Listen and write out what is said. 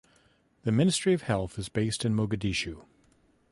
The Ministry of Health is based in Mogadishu.